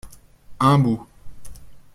Un bout.